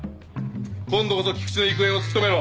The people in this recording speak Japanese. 今度こそ菊池の行方を突き止めろ。